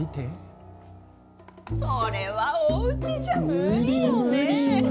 それは、おうちじゃ無理よね。